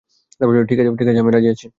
ঠিক আছে, আমি রাজি।